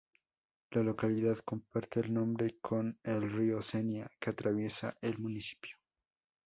La localidad comparte el nombre con el río Cenia, que atraviesa el municipio.